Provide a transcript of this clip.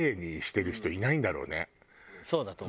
そうだと思う。